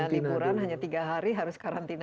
liburan hanya tiga hari harus karantina